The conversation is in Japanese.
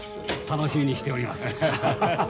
楽しみにしております。